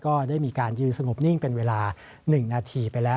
ก็ได้มีการยืนสงบนิ่งเป็นเวลา๑นาทีไปแล้ว